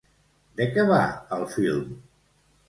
De què va el film?